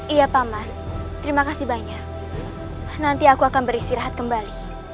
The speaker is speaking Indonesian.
iya paman terima kasih banyak nanti aku akan beristirahat kembali